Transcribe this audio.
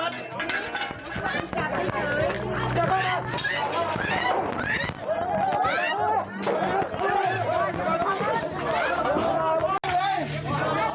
อินทรัพย์